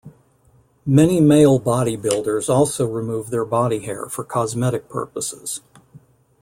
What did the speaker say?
Many male bodybuilders also remove their body hair for cosmetic purposes.